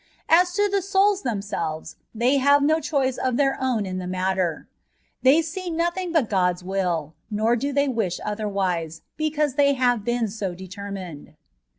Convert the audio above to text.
As to the souls themselves, they bave no choice of their own in the matter ; they see nothing but God's will ; nor do they wish things otherwise, because they bave been so de termined.